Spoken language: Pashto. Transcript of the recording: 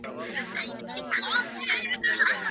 څنګه لوی سوداګر تازه میوه عربي هیوادونو ته لیږدوي؟